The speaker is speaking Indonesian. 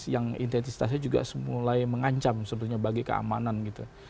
yang identitasnya juga mulai mengancam sebetulnya bagi keamanan gitu